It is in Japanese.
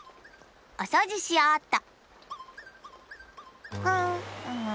おそうじしようっと！